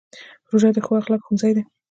روژه د ښو اخلاقو ښوونځی دی.